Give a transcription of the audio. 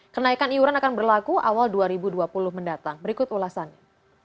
kenaikan iuran akan berlaku awal dua ribu dua puluh mendatang berikut ulasannya